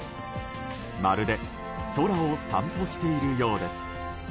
まるで空を散歩しているようです。